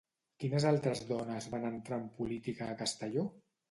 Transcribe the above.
Quines altres dones van entrar en política a Castelló?